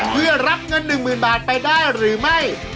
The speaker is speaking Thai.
เพื่อรับเงิน๑๐๐๐บาทไปได้หรือไม่